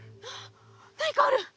何かある。